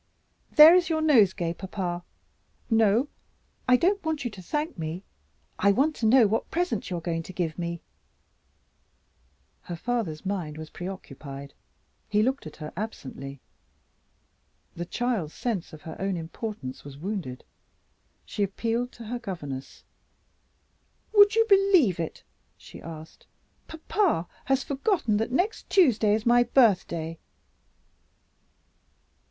"There is your nosegay, papa. No; I don't want you to thank me I want to know what present you are going to give me." Her father's mind was preoccupied; he looked at her absently. The child's sense of her own importance was wounded: she appealed to her governess. "Would you believe it?" she asked. "Papa has forgotten that next Tuesday is my birthday!"